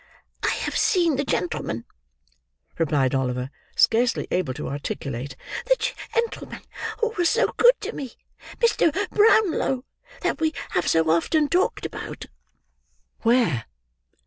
"I have seen the gentleman," replied Oliver, scarcely able to articulate, "the gentleman who was so good to me—Mr. Brownlow, that we have so often talked about." "Where?"